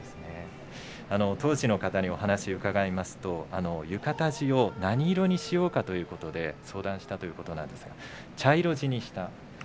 当時の方にお話を伺いますと浴衣地を何色にしようかということで相談したということなんですが茶色地にした。